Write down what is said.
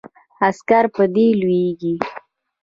عسکر په دې لویږي.